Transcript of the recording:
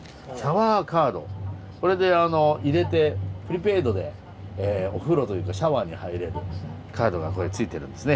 これであの入れてプリペイドでお風呂というかシャワーに入れるカードがついてるんですね。